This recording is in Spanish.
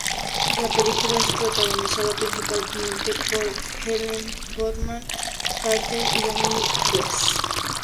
La película es protagonizada principalmente por Helena Bonham Carter y Dominic West.